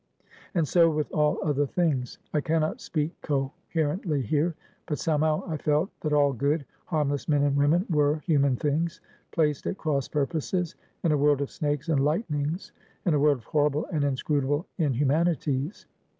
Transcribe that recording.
And so with all other things. I can not speak coherently here; but somehow I felt that all good, harmless men and women were human things, placed at cross purposes, in a world of snakes and lightnings, in a world of horrible and inscrutable inhumanities.